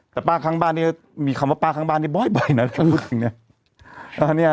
แต่ป้าข้างบ้านเนี่ยมีคำว่าป้าข้างบ้านเนี่ยบ่อยนะ